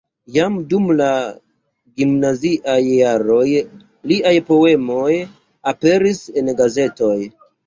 Jam dum la gimnaziaj jaroj liaj poemoj aperis en gazetoj.